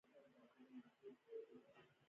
هغه څنګه پوهیده چې یوه ورځ به ورسره یوځای کیږي